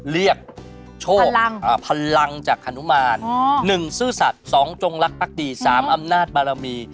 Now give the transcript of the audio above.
เรียกโชคพลังจากฮนุมาน๑ซื่อสัตว์๒จงลักษ์ดี๓อำนาจบารมี